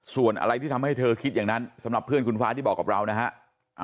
ส่วนอะไรที่ทำให้เธอคิดอย่างนั้นสำหรับเพื่อนคุณฟ้าที่บอกกับเรานะฮะ